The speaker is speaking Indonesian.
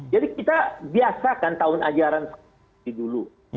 jadi kita biasakan tahun ajaran dulu